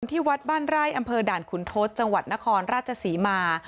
ที่วัดบ้านไร่อำเภอด่านขุนทศจังหวัดนครราชศรีมา